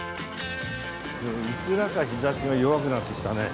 いくらか日差しが弱くなってきたね。